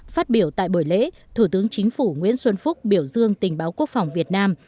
phát biểu tại buổi lễ thủ tướng chính phủ nguyễn xuân phúc biểu dương tình báo quốc phòng việt nam